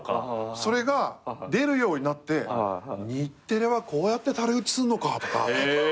それが出るようになって日テレはこうやってタレ打ちすんのかとか。